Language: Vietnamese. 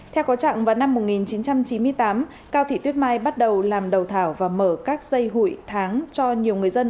theo có trạng vào năm một nghìn chín trăm chín mươi tám cao thị tuyết mai bắt đầu làm đầu thảo và mở các dây hụi tháng cho nhiều người dân